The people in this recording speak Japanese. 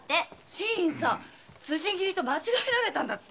新さん辻斬りと間違えられたんだって？